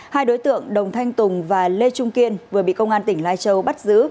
hai đối tượng đồng thanh tùng và lê trung kiên vừa bị công an tỉnh lai châu bắt giữ